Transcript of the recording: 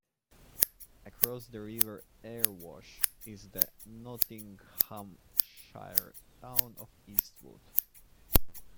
Across the River Erewash is the Nottinghamshire town of Eastwood.